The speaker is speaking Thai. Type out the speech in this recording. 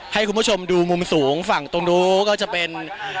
ให้คุณผู้ชมดูมุมสูงฝั่งตรงนู้นก็จะเป็น